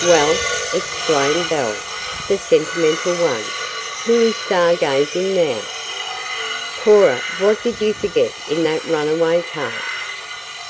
"Well," exclaimed Belle, the sentimental one, "who is star gazing, now? Cora, what did you forget in that runaway car?"